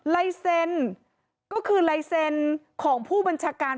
ไลเซนก็คือไลเซนของผู้บัญชาการ